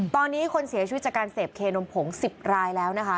ตอนนี้คนเสียชีวิตจากการเสพเคนมผง๑๐รายแล้วนะคะ